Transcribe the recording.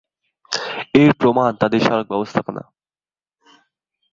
এর প্রমাণ তাদের সড়ক ব্যবস্থাপনা।